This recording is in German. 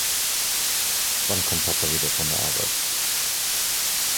Wann kommt Papa wieder von der Arbeit?